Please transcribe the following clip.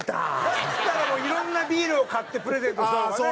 だったらもういろんなビールを買ってプレゼントした方がね。